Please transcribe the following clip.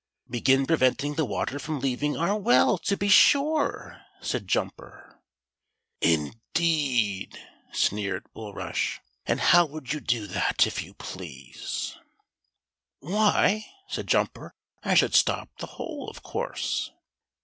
" Begin preventing the water from leaving our well, to be sure," said Juniper. "Indeed!" sneered Bulrush; "and how would you do that, if you please?" 28 THE SIL VER FISH. " Why," said Jumper, " I should stop the hole, of course."